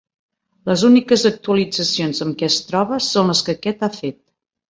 Les úniques actualitzacions amb què es troba son les que aquest ha fet.